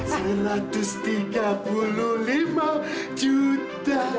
seratus tiga puluh lima juta